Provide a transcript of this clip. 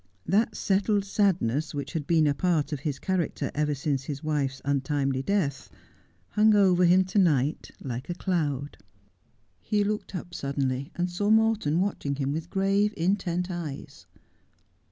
That settled sadness which had been a part of his character ever since his wife's untimely death hung over him to night like a cloud. He looked up suddenly, and saw Morton watching him with grave, intent eyes.